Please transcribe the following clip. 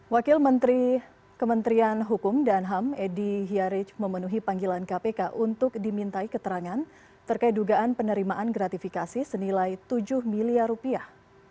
wakil menteri kementerian hukum dan ham edi hiaric memenuhi panggilan kpk untuk dimintai keterangan terkait dugaan penerimaan gratifikasi senilai tujuh miliar rupiah